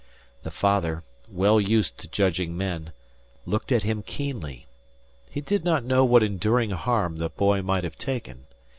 The father, well used to judging men, looked at him keenly. He did not know what enduring harm the boy might have taken.